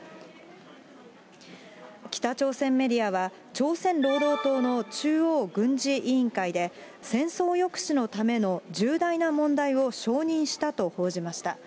北朝鮮メディアは、朝鮮労働党の中央軍事委員会で、戦争抑止のための重大な問題を承認したと報じました。